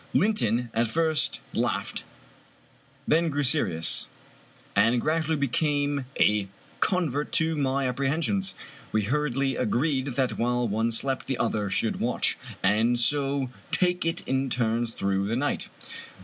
Linton at first laughed, then grew serious, and gradually became a con vert to my apprehensions. We hurriedly agreed that while one slept the other should watch, and so take it in turns through the night.